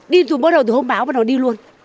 đi thuyền bắt đầu từ hôm báo bắt đầu đi luôn